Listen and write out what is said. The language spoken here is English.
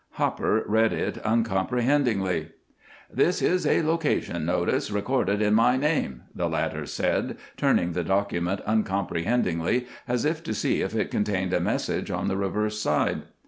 Hopper read it uncomprehendingly. "This is a location notice, recorded in my name," the latter said, turning the document uncomprehendingly as if to see if it contained a message on the reverse side.